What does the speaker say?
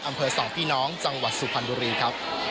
อำเภอสองพี่น้องจังหวัดสุพรรณบุรีครับ